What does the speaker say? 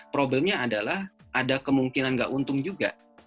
problemnya adalah ada kemungkinan nggak untung juga